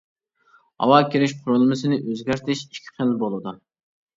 ھاۋا كىرىش قۇرۇلمىسىنى ئۆزگەرتىش ئىككى خىل بولىدۇ.